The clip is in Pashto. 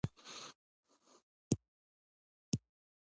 په عربي کښي زیات نومونه د مصدر څخه راوځي.